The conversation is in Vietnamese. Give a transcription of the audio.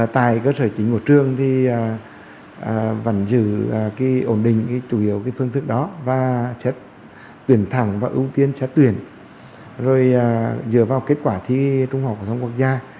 tại cơ sở chính của trường thì vẫn giữ ổn định chủ yếu phương thức đó và xét tuyển thẳng và ưu tiên xét tuyển rồi dựa vào kết quả thi trung học phổ thông quốc gia